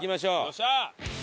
よっしゃ！